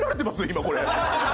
今これ。